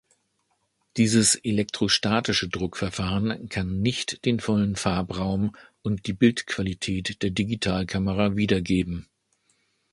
Dieses elektrostatische Druckverfahren kann nicht den vollen Farbraum und die Bildqualität der Digitalkamera wiedergeben.